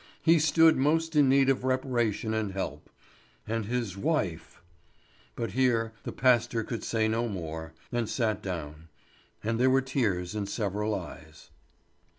He stood most in need of reparation and help. And his wife ; but here the pastor could say no more, and sat down; and there were tears in several eyes.